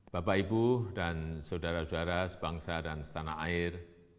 bapak ibu dan saudara saudara sebangsa dan setanah air